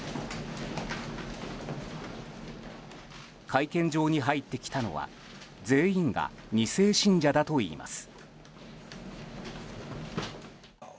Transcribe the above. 会見場に入ってきたのは全員が２世信者だといいます。